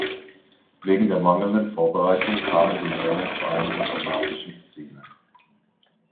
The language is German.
Wegen der mangelnden Vorbereitung kam es im Rennen zu einigen dramatischen Szenen.